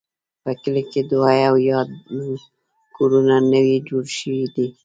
په کلي کې دوه اویا کورونه نوي جوړ شوي دي.